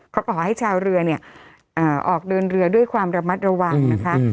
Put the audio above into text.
ก็ขอให้ชาวเรือเนี่ยออกเดินเรือด้วยความระมัดระวังนะคะ